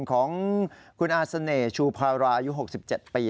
ของคุณอาเสน่ห์ชูพารายุ๖๗ปี